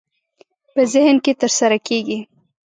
په ذهن کې ترسره کېږي.